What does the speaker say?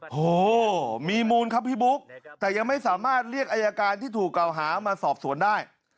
โหมีมูลครับพี่บุ๊คแต่ยังไม่สามารถเรียกอายการที่ถูกเก่าหามาสอบสวนได้